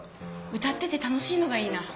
歌ってて楽しいのがいいな。